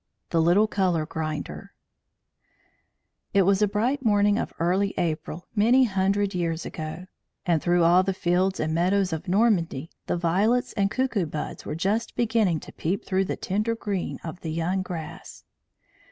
THE LITTLE COLOUR GRINDER IT was a bright morning of early April, many hundred years ago; and through all the fields and meadows of Normandy the violets and cuckoo buds were just beginning to peep through the tender green of the young grass.